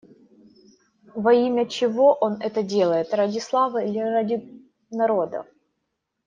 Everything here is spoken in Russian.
Во имя чего он это делает: ради славы или ради народа?